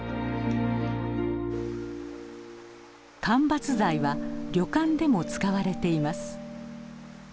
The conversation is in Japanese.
間伐材は旅館でも使われています。